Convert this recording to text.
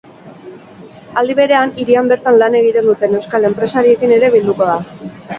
Aldi berean, hirian bertan lan egiten duten euskal enpresariekin ere bilduko da.